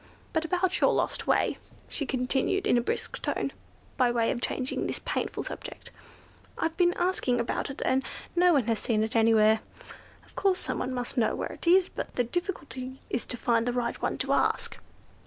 But about your lost way," she continued in a brisk tone, by way of changing this painful subject; "I've been asking about it, and no one has seen it anywhere. Of course someone must know where it is, but the difficulty is to find the right one to ask."